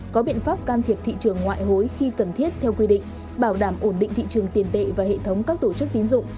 có biện pháp can thiệp thị trường ngoại hối khi cần thiết theo quy định bảo đảm ổn định thị trường tiền tệ và hệ thống các tổ chức tín dụng